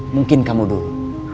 mungkin kamu dulu